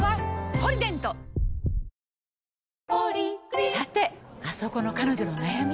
「ポリデント」「ポリグリップ」さてあそこの彼女の悩み。